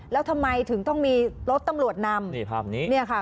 แล้วทำไมถึงต้องมีรถตำรวจนำนี่ภาพนี้เนี่ยค่ะ